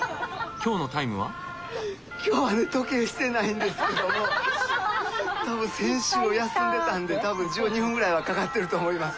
今日はね時計してないんですけども多分先週を休んでたんで多分１２分ぐらいはかかってると思います。